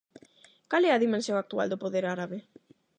Cal é a dimensión actual do poder árabe?